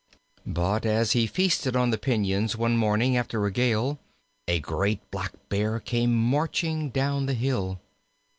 But as he feasted on the piñons one morning after a gale, a great Blackbear came marching down the hill.